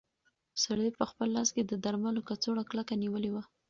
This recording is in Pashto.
سړي په خپل لاس کې د درملو کڅوړه کلکه نیولې وه.